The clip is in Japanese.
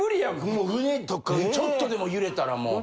もう船とかちょっとでも揺れたらもう。